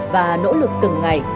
và nỗ lực từng ngày